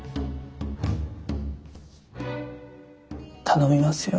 頼みますよ。